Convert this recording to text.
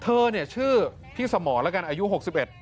เธอชื่อพี่สมอนอายุ๖๑บาท